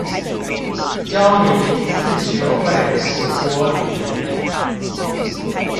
教你一次學會十國語言